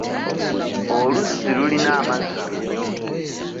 Oluzzi lulina amazzi amayonjo.